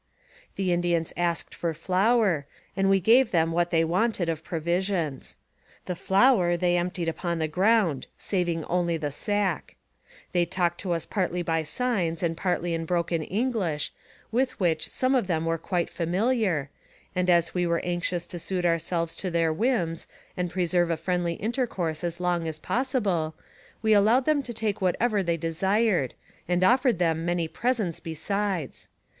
The Indians asked for flour, and we gave them what they wanted of provisions. The flour they emptied upon the ground, saving only the sack. They talked to us partly by signs and partly in broken English, with which some of them were quite familiar, and as we were anxious to suit ourselves to their whims and preserve a friendly intercourse as long as possible, we allowed them to take whatever they desired, and offered them many presents besides.